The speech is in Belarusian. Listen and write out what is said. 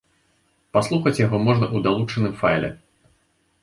Паслухаць яго можна ў далучаным файле.